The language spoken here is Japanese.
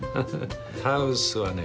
ハウスはね